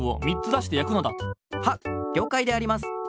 はっりょうかいであります。